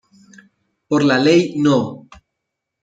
Por la Ley No.